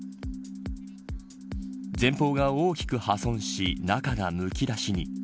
前方が大きく破損し中がむき出しに。